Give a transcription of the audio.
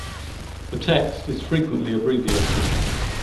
The text is frequently abbreviated.